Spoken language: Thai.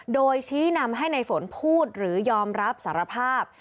โดยชี้นำให้ในฝนพูดหรือยอมรับสารภาพ